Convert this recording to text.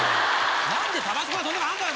何でタバスコがそんなとこあんだよ！